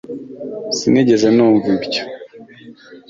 Sinigeze numva ibyo